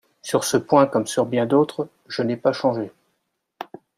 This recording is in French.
Sur ce point comme sur bien d'autres, je n'ai pas changé.